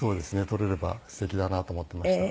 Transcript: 撮れればすてきだなと思っていました。